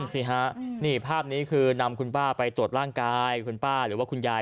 สิฮะนี่ภาพนี้คือนำคุณป้าไปตรวจร่างกายคุณป้าหรือว่าคุณยาย